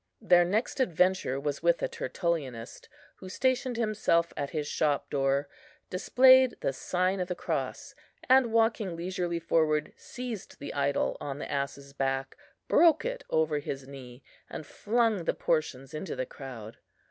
Their next adventure was with a Tertullianist, who stationed himself at his shop door, displayed the sign of the cross, and walking leisurely forward, seized the idol on the ass's back, broke it over his knee, and flung the portions into the crowd.